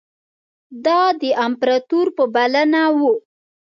دا د امپراطور په بلنه وو.